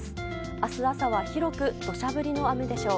明日朝は広く土砂降りの雨でしょう。